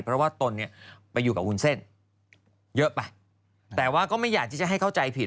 เพราะว่าตนเนี่ยไปอยู่กับวุ้นเส้นเยอะไปแต่ว่าก็ไม่อยากที่จะให้เข้าใจผิด